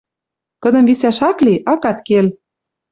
Кыдым висӓш ак ли, акат кел.